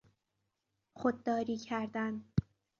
خودداری کردن